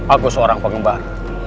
aku seorang pengembar